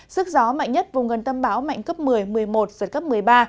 sức gió mạnh nhất vùng gần tâm bão mạnh cấp một mươi giật cấp một mươi ba